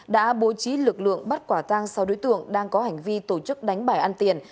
đã bố trí lực lượng bắt quả tang sáu đối tượng đang có hành vi tổ chức đánh bài ăn tiền